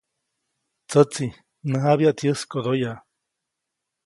Tsätsi, mnäjabyaʼt yäskodoyaʼ.